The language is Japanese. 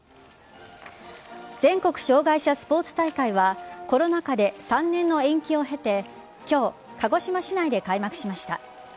全国障害者スポーツ大会はコロナ禍で３年の延期を経て今日、鹿児島市内で開幕しました。